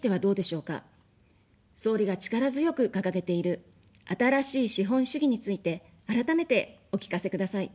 総理が力強く掲げている「新しい資本主義」について、改めてお聞かせください。